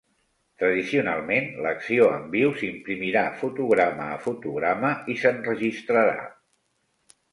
Tradicionalment, l'acció en viu s'imprimirà fotograma a fotograma i s'enregistrarà.